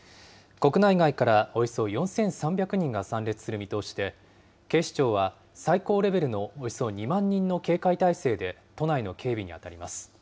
国内外からおよそ４３００人が参列する見通しで、警視庁は、最高レベルのおよそ２万人の警戒態勢で都内の警備に当たります。